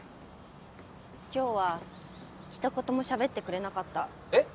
今日はひと言もしゃべってくれなかったえっ？